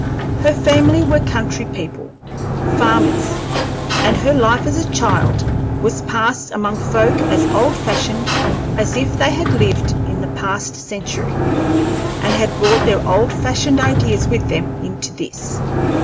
Her family were country people, farmers, and her life as a child was passed among folk as old fashioned as if they had lived in the past century, and had brought their old fashioned ideas with them into this.